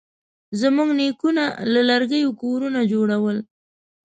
زموږ نیکونه له لرګي کورونه جوړول.